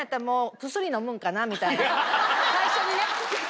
最初にね。